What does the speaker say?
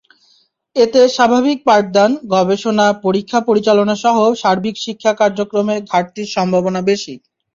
এতে স্বাভাবিক পাঠদান, গবেষণা, পরীক্ষা পরিচালনাসহ সার্বিক শিক্ষা কার্যক্রমে ঘাটতির সম্ভাবনা বেশি।